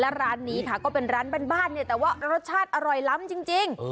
แล้วด้านนี้ค่ะก็เป็นร้านบ้านเนี่ยวันอร่อยล้ำจริง